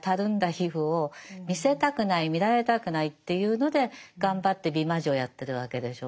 皮膚を見せたくない見られたくないっていうので頑張って美魔女をやってるわけでしょ。